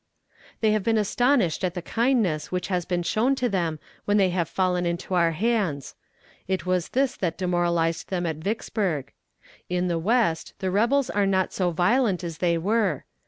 "They have been astonished at the kindness which has been shown to them when they have fallen into our hands. It was this that demoralized them at Vicksburg. In the West the rebels are not so violent as they were.